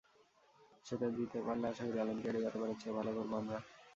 সেটা দিতে পারলে আশা করি অলিম্পিয়াডে গতবারের চেয়েও ভালো করব আমরা।